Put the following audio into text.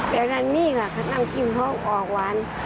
แบบนั้นมีค่ะน้ำจิ้มเขาออกหวาน